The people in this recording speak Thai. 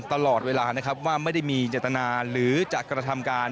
ตลอดเวลานะครับ